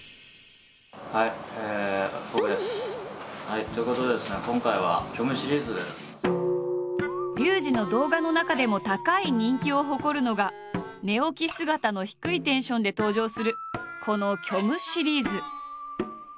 はいということでですねリュウジの動画の中でも高い人気を誇るのが寝起き姿の低いテンションで登場するこの「虚無シリーズ」。